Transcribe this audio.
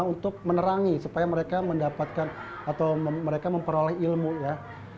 untuk menerangi supaya mereka mendapatkan atau mereka memperoleh ilmu ya